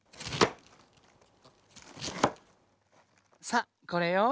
さあこれよ。